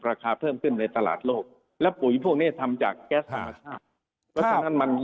ราคาเพิ่มขึ้นในตลาดโลกแล้วปุ๋ยพวกนี้ทำจากแก๊สธรรมชาติ